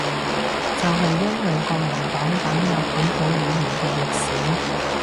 就係因為國民黨打壓本土語言嘅歷史